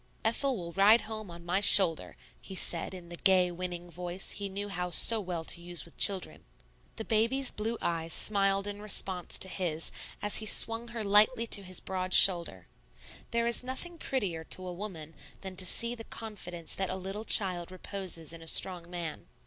"Ethel will ride home on my shoulder," he said in the gay, winning voice he knew how so well to use with children. The baby's blue eyes smiled in response to his as he swing her lightly to his broad shoulder. There is nothing prettier to a woman than to see the confidence that a little child reposes in a strong man.